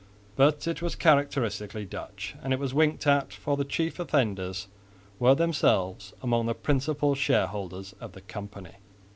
But it was characteristically Dutch, and it was winked at, for the chief offenders were themselves among the principal shareholders of the company.